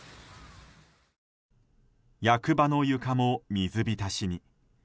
役場の床も水浸しに。